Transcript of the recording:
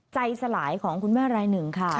สลายของคุณแม่รายหนึ่งค่ะ